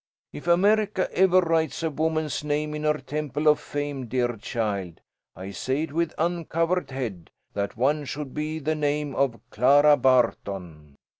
"If America ever writes a woman's name in her temple of fame, dear child (I say it with uncovered head), that one should be the name of Clara Barton."